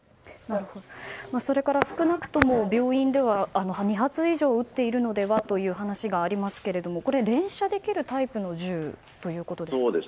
それから、少なくとも病院では２発以上撃っているのではという話がありますがこれ、連射できるタイプの銃ということですか。